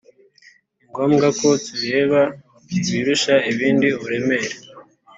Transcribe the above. ni ngombwa ko tureba ibirusha ibindi uburemere